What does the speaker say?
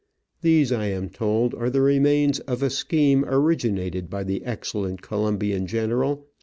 These, I am told, ar^ the remains of a scheme originated by the excellent Colombian general.